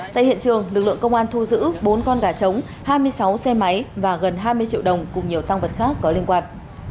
tại hiện trường lực lượng công an thu giữ bốn con gà trống hai mươi sáu xe máy và gần hai mươi triệu đồng cùng nhiều tăng vật khác có liên quan